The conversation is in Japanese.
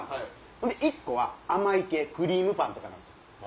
ほんで１個は甘い系クリームパンとかなんすよ。